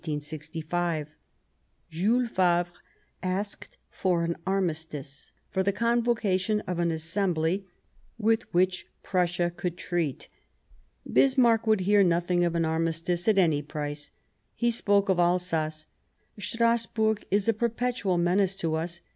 Jules Favre asked for an armistice for the con vocation of an Assembly with Vv^hich Prussia could treat. Bismarck would hear nothing of an armistice at any price. He spoke of Alsace :" Strasburg is a perpetual menace to us.